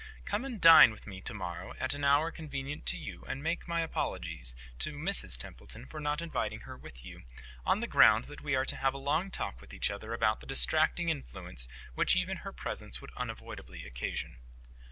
Come and dine with me to morrow, at any hour convenient to you, and make my apologies to Mrs Templeton for not inviting her with you, on the ground that we want to have a long talk with each other without the distracting influence which even her presence would unavoidably occasion.